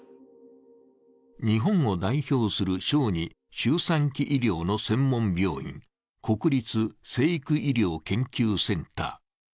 日本を代表する小児・周産期医療の専門病院、国立成育医療研究センター。